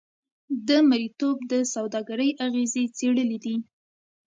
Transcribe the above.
د مریتوب د سوداګرۍ اغېزې څېړلې دي.